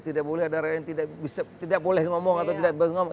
tidak boleh ada rakyat yang tidak boleh ngomong atau tidak ngomong